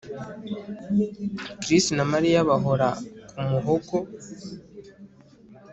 Chris na Mariya bahora kumuhogo